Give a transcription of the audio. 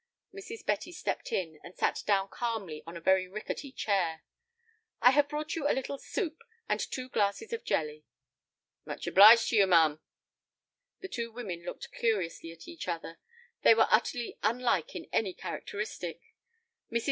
Mrs. Betty stepped in, and sat down calmly on a very rickety chair. "I have brought you a little soup, and two glasses of jelly." "Much obliged to you, ma'am." The two women looked curiously at each other. They were utterly unlike in any characteristic. Mrs.